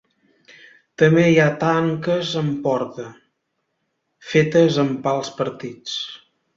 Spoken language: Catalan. També hi ha "tanques amb porta" fetes amb pals partits.